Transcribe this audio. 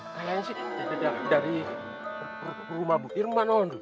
kayanya sih dari rumah bu hirma doang